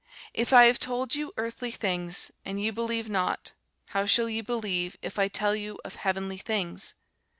If I have told you earthly things, and ye believe not, how shall ye believe, if I tell you of heavenly things?